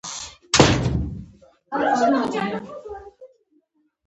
ایا زه باید د سینه بغل واکسین وکړم؟